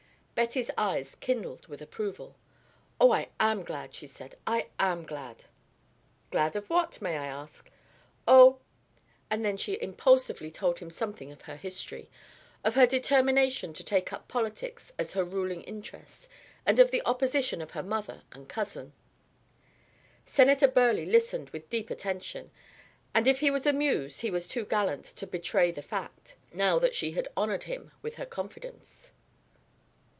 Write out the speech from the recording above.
Betty's eyes kindled with approval. "Oh, I am glad," she said, "I am glad." "Glad of what, may I ask?" "Oh " And then she impulsively told him something of her history, of her determination to take up politics as her ruling interest, and of the opposition of her mother and cousin. Senator Burleigh listened with deep attention, and if he was amused he was too gallant to betray the fact, now that she had honoured him with her confidence.